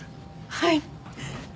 はい！